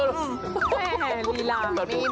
อื้อลีรา